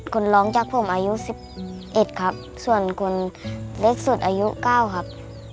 คนร้องจากผมอายุ๑๑ครับส่วนคนเล็กสุดอายุ๙ครับ